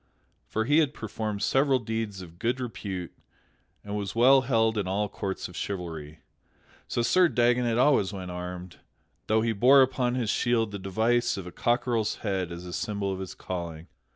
For he had performed several deeds of good repute and was well held in all courts of chivalry. So Sir Dagonet always went armed; though he bore upon his shield the device of a cockerel's head as a symbol of his calling.